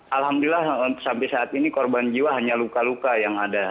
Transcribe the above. alhamdulillah sampai saat ini korban jiwa hanya luka luka yang ada